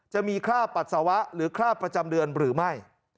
จะมีค่าปัสสาวะหรือค่าประจำเดือนหรือไม่